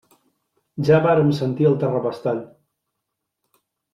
Ja vàrem sentir el terrabastall.